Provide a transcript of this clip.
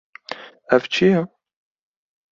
Ev çi ye?